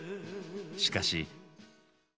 しかし。